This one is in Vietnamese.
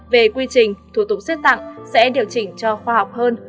về quy trình thủ tục xét tặng sẽ điều chỉnh cho khoa học hơn